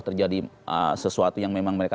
terjadi sesuatu yang memang mereka